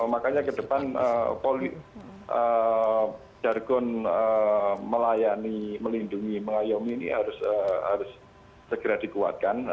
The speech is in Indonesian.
makanya ke depan jargon melayani melindungi mengayomi ini harus segera dikuatkan